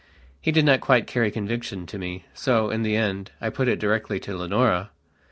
He did not quite carry conviction to me, so, in the end, I put it directly to Leonora.